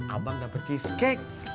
abang dapet cheesecake